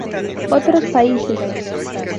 Otros países.